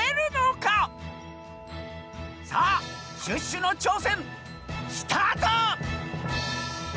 さあシュッシュのちょうせんスタート！